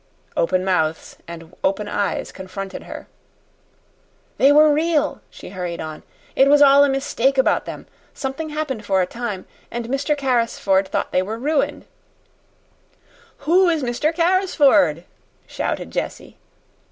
Open mouths and open eyes confronted her. "They were real," she hurried on. "It was all a mistake about them. Something happened for a time, and Mr. Carrisford thought they were ruined " "Who is Mr. Carrisford?" shouted Jessie.